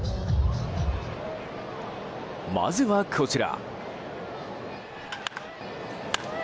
まずは、こちら。